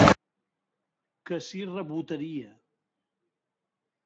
Que s'hi rebotaria.